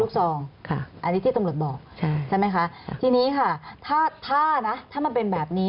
ซองค่ะอันนี้ที่ตำรวจบอกใช่ไหมคะทีนี้ค่ะถ้านะถ้ามันเป็นแบบนี้